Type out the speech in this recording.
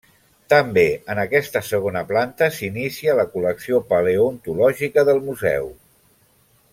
També en aquesta segona planta s'inicia la col·lecció paleontològica del museu.